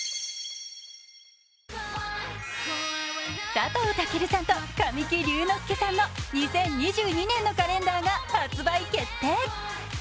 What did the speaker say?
佐藤健さんと神木隆之介さんの２０２２年のカレンダーが発売決定。